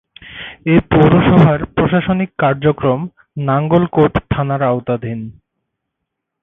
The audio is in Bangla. এ পৌরসভার প্রশাসনিক কার্যক্রম নাঙ্গলকোট থানার আওতাধীন।